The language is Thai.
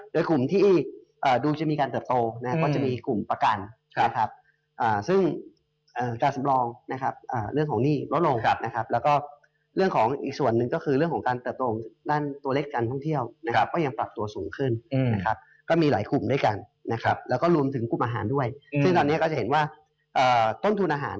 โดยกลุ่มที่ดูจะมีการเติบโตนะครับก็จะมีกลุ่มประกันนะครับซึ่งการสำรองนะครับเรื่องของหนี้ลดลงนะครับแล้วก็เรื่องของอีกส่วนหนึ่งก็คือเรื่องของการเติบโตของด้านตัวเล็กการท่องเที่ยวนะครับก็ยังปรับตัวสูงขึ้นนะครับก็มีหลายกลุ่มด้วยกันนะครับแล้วก็รวมถึงกลุ่มอาหารด้วยซึ่งตอนนี้ก็จะเห็นว่าต้นทุนอาหาร